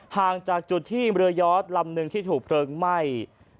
ห่างจากจุดที่เรือยอดลำหนึ่งที่ถูกเพลิงไหม้